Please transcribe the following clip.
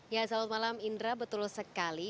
ya selamat malam indra betul sekali